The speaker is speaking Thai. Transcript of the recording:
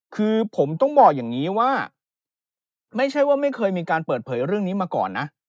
คือผมต้องบอกอย่างนี้ว่าไม่ใช่ว่าไม่เคยมีการเปิดเผยเรื่องนี้มาก่อนนะ